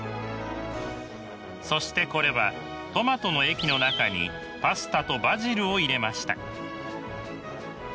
そしてこれはトマトの液の中にパスタとバジルを入れました。